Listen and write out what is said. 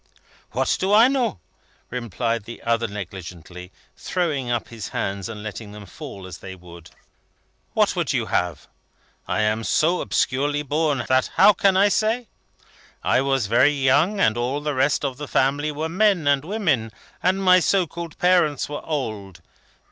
"What do I know?" replied the other negligently, throwing up his hands and letting them fall as they would. "What would you have? I am so obscurely born, that how can I say? I was very young, and all the rest of the family were men and women, and my so called parents were old.